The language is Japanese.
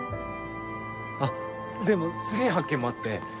あっでもすげぇ発見もあって。